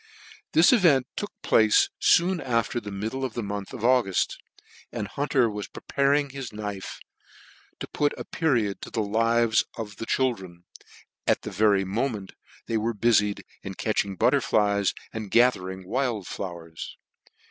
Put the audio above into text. This event took place loon after the middle of the month of Auguft, and Hunter was preparing his knife to put a period to the live" of the children, at the very moment they xvere bufied in catching butterflies, and ga thering wild flowers.